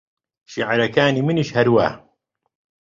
شێعرەکانی منیش هەروا